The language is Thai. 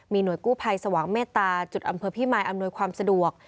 หน่วยกู้ภัยสว่างเมตตาจุดอำเภอพี่มายอำนวยความสะดวก